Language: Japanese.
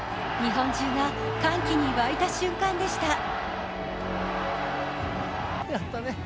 日本中が歓喜に沸いた瞬間でした。